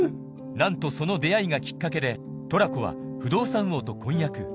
なんとその出会いがきっかけでトラコは不動産王と婚約